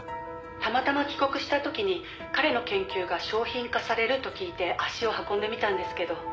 「たまたま帰国した時に彼の研究が商品化されると聞いて足を運んでみたんですけど」